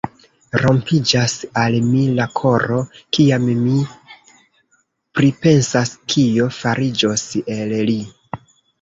Rompiĝas al mi la koro, kiam mi pripensas, kio fariĝos el li!